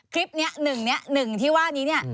คลิปนี้หนึ่งนี้หนึ่งที่ว่านี้